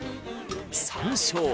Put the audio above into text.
山椒